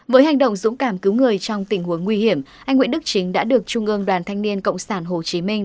với hành động dũng cảm cứu người trong tình huống nguy hiểm anh nguyễn đức chính đã được trung ương đoàn thanh niên cộng sản hồ chí minh